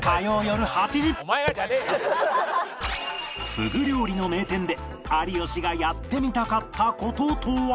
ふぐ料理の名店で有吉がやってみたかった事とは？